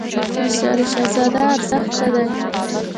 د سرای شهزاده ارزښت څه دی؟